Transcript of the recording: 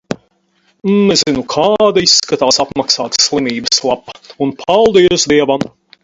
Nezinu, kāda izskatās apmaksāta "slimības lapa". Un, paldies Dievam.